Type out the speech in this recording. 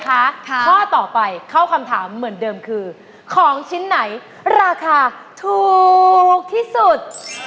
ข้อต่อไปเข้าคำถามเหมือนเดิมคือของชิ้นไหนราคาถูกที่สุด